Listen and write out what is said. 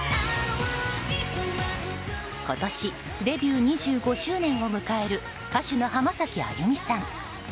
今年デビュー２５周年を迎える歌手の浜崎あゆみさん。